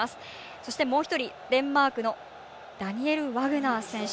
そしてもう１人、デンマークのダニエル・ワグナー選手。